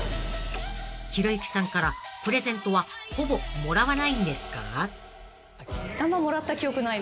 ［ひろゆきさんからプレゼントはほぼもらわないんですか？］